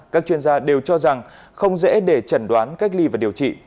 các chuyên gia đều cho rằng không dễ để chẩn đoán cách ly và điều trị